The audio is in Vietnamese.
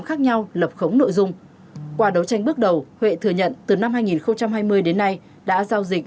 khác nhau lập khống nội dung qua đấu tranh bước đầu huệ thừa nhận từ năm hai nghìn hai mươi đến nay đã giao dịch